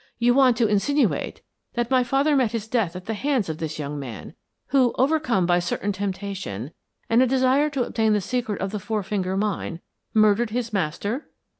You want to insinuate that my father met his death at the hands of this young man, who, overcome by certain temptation and a desire to obtain the secret of the Four Finger Mine, murdered his master?"